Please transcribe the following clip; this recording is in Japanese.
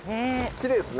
きれいですね。